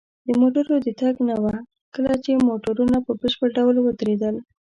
د موټرو د تګ نه وه، کله چې موټرونه په بشپړ ډول ودرېدل.